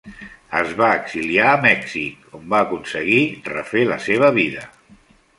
Es va exiliar a Mèxic, on va aconseguir refer la seva vida.